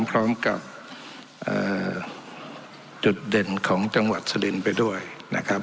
พร้อมกับจุดเด่นของจังหวัดสลินไปด้วยนะครับ